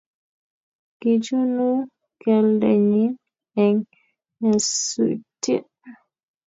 kichunu keldenyin eng' nyasutie